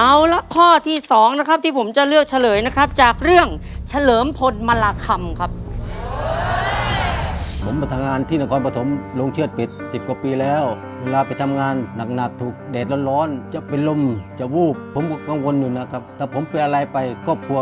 เอาละข้อที่๒นะครับที่ผมจะเลือกเฉลยนะครับจากเรื่องเฉลิมพลมาราคำครับ